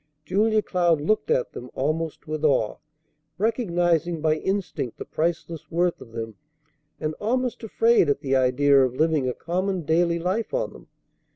Julia Cloud looked at them almost with awe, recognizing by instinct the priceless worth of them, and almost afraid at the idea of living a common, daily life on them.